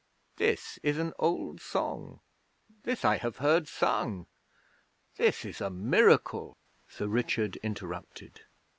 This is an old song! This I have heard sung! This is a miracle,' Sir Richard interrupted.